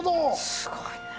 すごいなあ。